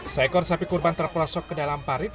seekor sapi kurban terpelosok ke dalam parit